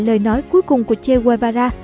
lời nói cuối cùng của che guevara